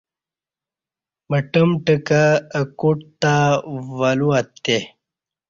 مٹمٹہ کہ ا کوٹ تہ ولو اتےّ